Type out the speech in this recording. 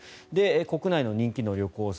国内の人気の旅行先。